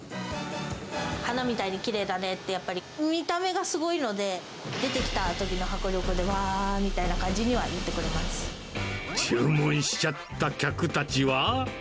花みたいにきれいだねって、やっぱり、見た目がすごいので、出てきたときの迫力で、わーみた注文しちゃった客たちは。